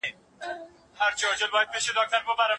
ستونزه، عوامل او حللاري وپوښتئ.